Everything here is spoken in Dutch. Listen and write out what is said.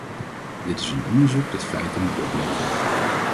Dit is een onderzoek dat feiten moet opleveren.